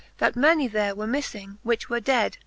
That many there were miffing, which were ded.